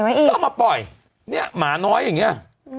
ว่าต้องมาปล่อยเนี่ยหมาน้อยอย่างเงี่ย